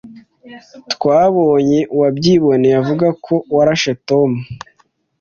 Twabonye uwabyiboneye avuga ko warashe Tom.